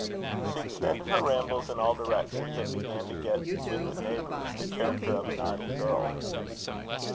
She extended her rambles in all directions, and began to get with the neighbours the character of an idle girl.